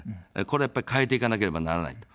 これはやっぱり変えていかなければならない。